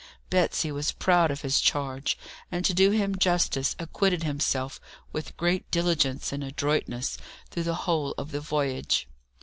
Betsy was proud of his charge, and, to do him justice, acquitted himself with great diligence and adroitness through the whole of the voyage.